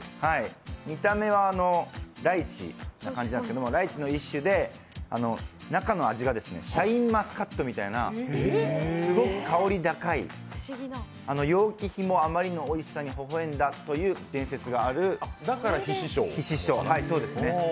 見た目はライチな感じなんですけど、ライチの一種で、中の味がシャインマスカットみたいなすごく香り高い、楊貴妃もあまりのおいしさに微笑んだという伝説がある、だから妃子笑ですね。